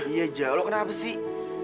iya jalo kenapa sih